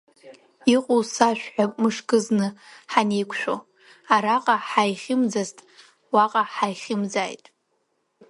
Иҟоу сашәҳәап мышкызны ҳанеиқәшәо, араҟа ҳаихьымӡазт, уаҟа ҳаихьӡоит.